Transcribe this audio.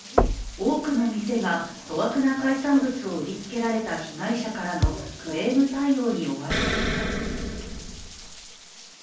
多くの店が粗悪な海産物を売りつけられた被害者からのクレーム対応に追われていた。